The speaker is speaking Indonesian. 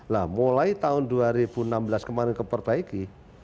nah mulai tahun dua ribu enam belas kemarin keperbaiki